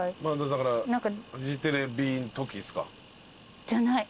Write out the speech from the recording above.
だからフジテレビのときっすか？じゃない。